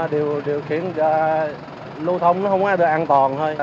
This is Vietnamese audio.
điều khiển lưu thông nó không có được an toàn thôi